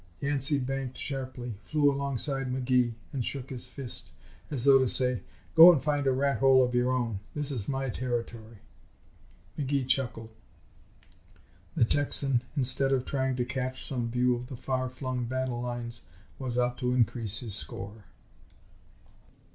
Yancey banked sharply, flew alongside McGee and shook his fist as though to say "Go and find a rat hole of your own. This is my territory." McGee chuckled. The Texan, instead of trying to catch some view of the far flung battle lines, was out to increase his score.